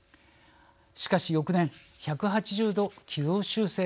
しかし翌年１８０度軌道修正を迫られます。